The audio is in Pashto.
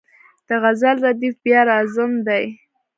د غزل ردیف بیا راځم دی.